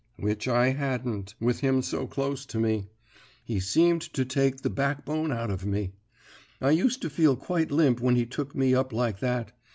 "Which I hadn't, with him so close to me. He seemed to take the backbone out of me; I used to feel quite limp when he took me up like that.